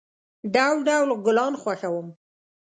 ډول، ډول گلان خوښوم.